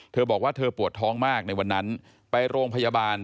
เธอบอกว่าเธอปวดท้องมากในวันนั้นไปโรงพยาบาล